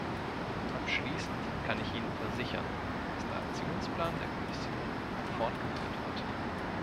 Abschließend kann ich Ihnen versichern, dass der Aktionsplan der Kommission fortgeführt wird.